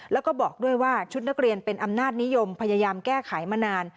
แล้วก็บอกด้วยว่าชุดนักเรียนเป็นอำนาจนิยมพยายามแก้ไขมานาน